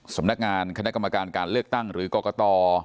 สำนักงานคณะกรรมการการเลือกตั้งหรือกรกต